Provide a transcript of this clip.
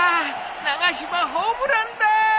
長嶋ホームランだ。